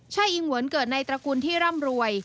ใช่อิงหวนเกิดในตระกูลที่ร่ำรวย